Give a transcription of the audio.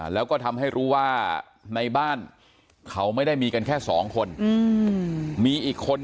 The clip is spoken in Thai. แล้วก็ทำให้รู้ว่าในบ้านเขาไม่ได้มีกันแค่สองคนมีอีกคน